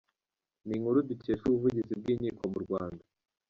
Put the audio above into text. Ni inkuru dukesha ubuvugizi bw’Inkiko mu Rwanda.